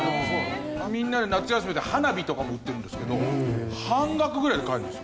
みんなで夏休みに花火とかも売ってるんですけど半額ぐらいで買えるんですよ。